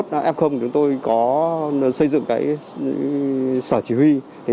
thì bên đó chúng tôi có xây dựng sở chỉ huy